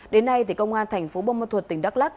đến nay công an tp bông môn thuật tỉnh đắk lắc